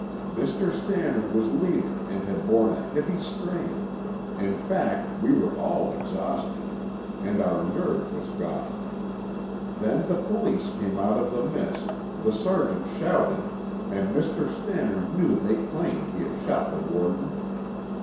"Mr. Stannard was leader and had borne a heavy strain; in fact, we were all exhausted and our nerve was gone. Then the police came out of the mist, the sergeant shouted, and Mr. Stannard knew they claimed he had shot the warden.